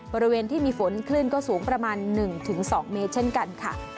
บริเวณที่มีฝนคลื่นก็สูงประมาณ๑๒เมตรเช่นกันค่ะ